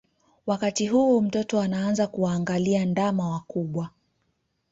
Wakati huu mtoto anaanza kuwaangalia ndama wakubwa